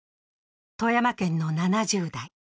富山県の７０代。